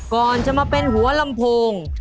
ก่อนจะมาเป็นหัวลำโพง